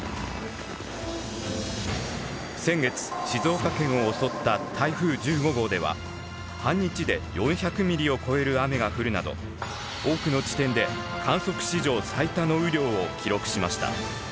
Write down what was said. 先月静岡県を襲った台風１５号では半日で４００ミリを超える雨が降るなど多くの地点で観測史上最多の雨量を記録しました。